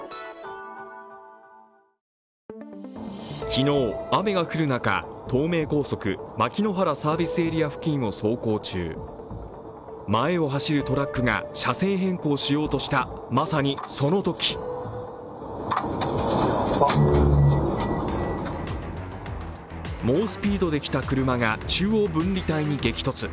昨日、雨が降る中、東名高速、牧之原サービスエリア付近を走行中前を走るトラックが車線変更した、まさにそのとき猛スピードで来た車が中央分離帯に激突。